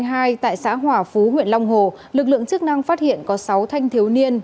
trong quán karaoke hồng ánh hai tại xã hỏa phú huyện long hồ lực lượng chức năng phát hiện có sáu thanh thiếu niên